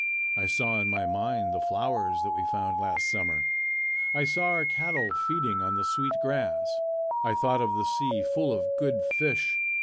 I saw in my mind the flowers that we found last summer. I saw our cattle feeding on the sweet grass. I thought of the sea full of good fish.